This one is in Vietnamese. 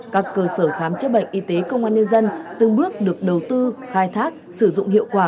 các cơ sở khám chữa bệnh y tế công an nhân dân từng bước được đầu tư khai thác sử dụng hiệu quả